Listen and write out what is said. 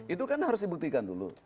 itu kan harus dibuktikan dulu